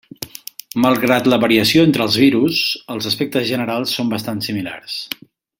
Malgrat la variació entre els virus, els aspectes generals són bastant similars.